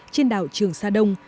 trên đảo trường sa đông